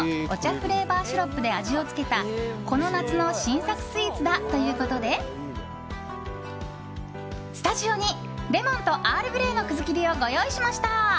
フレーバーシロップで味をつけたこの夏の新作スイーツだということでスタジオにレモンとアールグレイの葛切りをご用意しました。